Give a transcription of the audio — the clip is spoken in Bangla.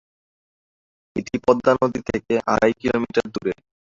এটি পদ্মা নদী থেকে আড়াই কিলোমিটার দূরে।